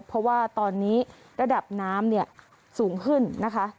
เพราะว่าตอนนี้ระดับน้ำเนี่ยสูงขึ้นนะคะ